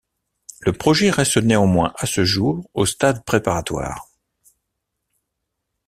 Le projet reste néanmoins à ce jour au stade préparatoire.